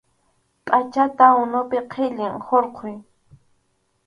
Pʼachata unupi qhillin hurquy.